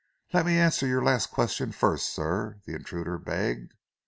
"Let me answer your last question first, sir," the intruder begged.